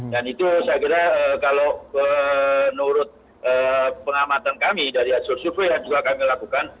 dan itu saya kira kalau menurut pengamatan kami dari asur asur yang juga kami lakukan